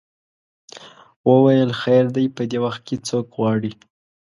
وویل خیر دی په دې وخت کې څوک غواړې.